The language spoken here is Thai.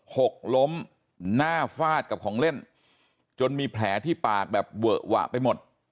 หกล้มหน้าฟาดกับของเล่นจนมีแผลที่ปากแบบเวอะหวะไปหมด